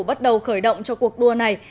bắt đầu khởi động cho cuộc đua này